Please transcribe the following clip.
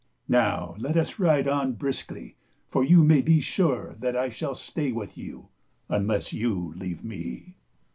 Now let us ride on briskly, for you may be sure that I shall stay with you unless you leave me."